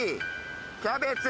キャベツ。